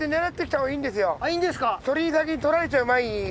あっいいんですか？